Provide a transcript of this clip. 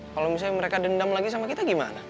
kalau misalnya mereka dendam lagi sama kita gimana